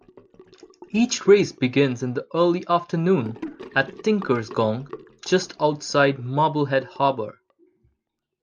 Each race begins in the early afternoon at "Tinkers Gong", just outside Marblehead Harbor.